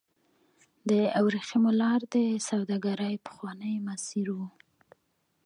د ورېښمو لار د سوداګرۍ پخوانی مسیر و.